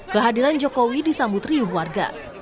kehadiran jokowi disambut riuh warga